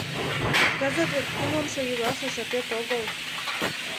Кызыт вет кумлымшо ийласе жапет огыл.